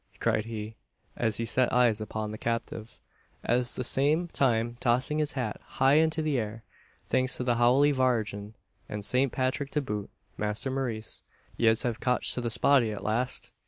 cried he, as he set eyes upon the captive, at the same time tossing his hat high into the air. "Thanks to the Howly Vargin, an Saint Pathrick to boot, Masther Maurice, yez have cotched the spotty at last!